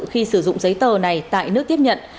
khi sử dụng giấy tờ này tại nước tiếp nhận